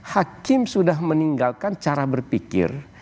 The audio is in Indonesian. hakim sudah meninggalkan cara berpikir